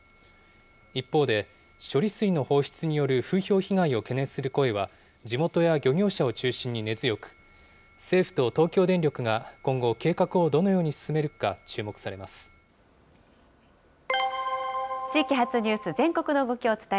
一方で、処理水の放出による風評被害を懸念する声は、地元や漁業者を中心に根強く、政府と東京電力が今後、計画をどのように進めるか注目さ地域発ニュース、全国の動き